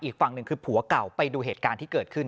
อีกฝั่งหนึ่งคือผัวเก่าไปดูเหตุการณ์ที่เกิดขึ้น